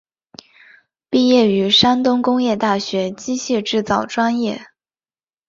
毕业于山东工业大学机械制造专业。